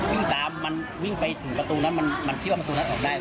วิ่งตามมันวิ่งไปถึงประตูนั้นมันคิดว่าประตูนั้นออกได้